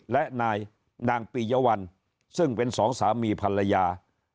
และนายนางปียวัลซึ่งเป็นสองสามีภรรยา